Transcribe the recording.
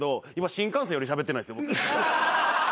新幹線よりしゃべってない。